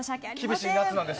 厳しい夏なので。